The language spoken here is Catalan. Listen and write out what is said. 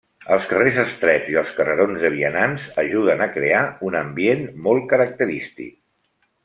Els carrers estrets i els carrerons de vianants ajuden a crear un ambient molt característic.